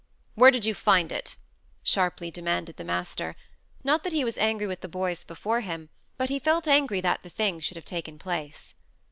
"Where did you find it?" sharply demanded the master not that he was angry with the boys before him, but he felt angry that the thing should have taken place.